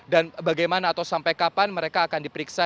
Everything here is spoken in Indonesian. dan bagaimana atau sampai kapan mereka akan diperiksa